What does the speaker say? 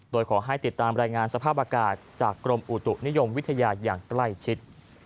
โดยขอให้ติดตามรายงานสภาพอากาศจากกรมอุตุนิยมวิทยาอย่างใกล้ชิด